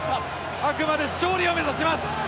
あくまで勝利を目指します。